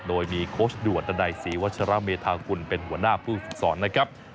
โดยมีโค้ชด่วนดันัยศรีวัชระเมธากุลเป็นหัวหน้าผู้ฝึกสอนนะครับ